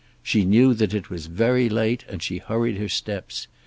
She knew that it was very late and she hurried her steps.